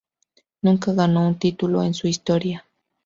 Nunca ganó un título en su historia.